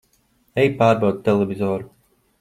Ej pārbaudi televizoru!